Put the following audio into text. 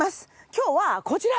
今日はこちら！